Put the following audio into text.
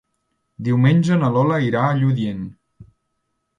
Diumenge na Lola irà a Lludient.